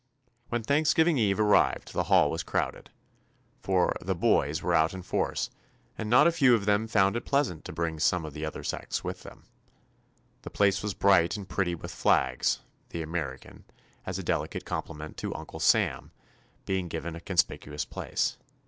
When Thanksgiving eve arrived the hall was crowded, for "the boys" were out in force, and not a few of them found it pleasant to bring some of the other sex with them. The place was bright and pretty with flags, the American, as a delicate compli ment to "Uncle Sam," being given a conspicuous place.